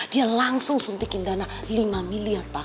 dia langsung suntikin dana lima miliar pak